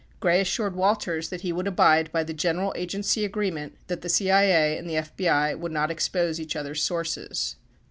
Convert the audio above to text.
Gray assured Walters that he would abide by the general agency agreement that the CIA and the FBI would not expose each other's sources.